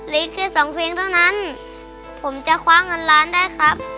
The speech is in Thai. แค่สองเพลงเท่านั้นผมจะคว้าเงินล้านได้ครับ